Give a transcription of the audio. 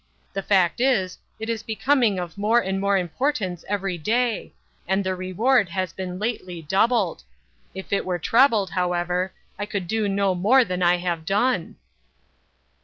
The fact is, it is becoming of more and more importance every day; and the reward has been lately doubled. If it were trebled, however, I could do no more than I have done."